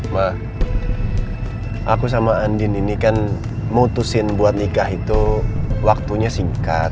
mak aku sama andin ini kan mutusin buat nikah itu waktunya singkat